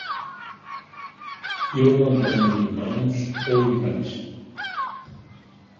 Eu não tenho irmãos ou irmãs.